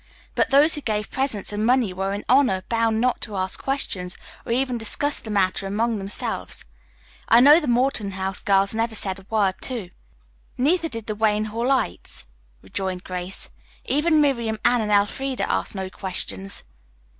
But those who gave presents and money were in honor bound not to ask questions or even discuss the matter among themselves. I know the Morton House girls never said a word, too." "Neither did the Wayne Hallites," rejoined Grace. "Even Miriam, Anne and Elfreda asked no questions."